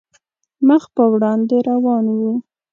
مخ په وړاندې روان وو.